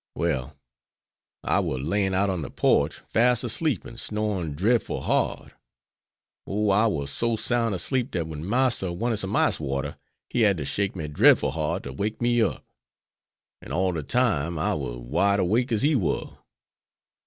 Well, I war laying out on de porch fas' asleep an' snorin' drefful hard. Oh, I war so soun' asleep dat wen Marster wanted some ice water he had to shake me drefful hard to wake me up. An' all de time I war wide 'wake as he war."